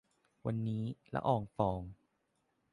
วันนี้ ละอองฟอง